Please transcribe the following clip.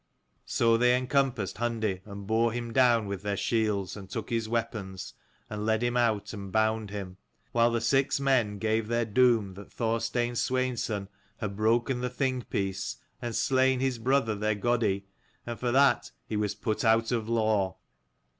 So they encompassed Hundi and bore him down with their shields, and took his weapons, and led him out and bound him ; while the six men gave their doom that Thorstein Sweinson had broken the Thing peace, and slain his brother their Godi, and for that he was put out of law.